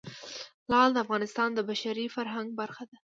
لعل د افغانستان د بشري فرهنګ برخه ده.